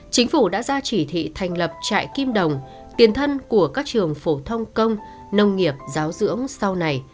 chính phủ đã ra chỉ thị thành lập trại kim đồng tiền thân của các trường phổ thông công nông nghiệp giáo dưỡng sau này